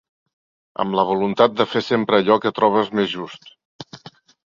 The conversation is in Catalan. Amb la voluntat de fer sempre allò que trobes més just.